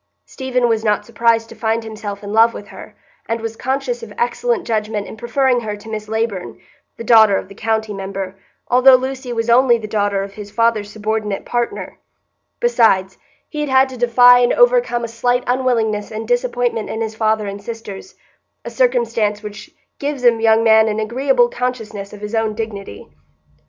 Stephen was not surprised to find himself in love with her, and was conscious of excellent judgment in preferring her to Miss Leyburn, the daughter of the county member, although Lucy was only the daughter of his father's subordinate partner; besides, he had had to defy and overcome a slight unwillingness and disappointment in his father and sisters,—a circumstance which gives a young man an agreeable consciousness of his own dignity.